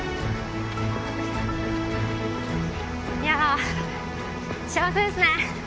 いやー、幸せですね。